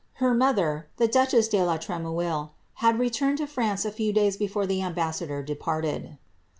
Her mother, the duchess de la Tremouille, Im returned to France a few days before the ambassador departed.